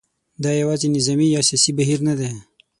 دا یوازې نظامي یا سیاسي بهیر نه دی.